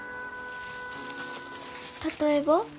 例えば？